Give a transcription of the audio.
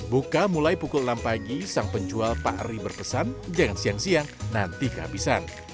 buka mulai pukul enam pagi sang penjual pak ri berpesan jangan siang siang nanti kehabisan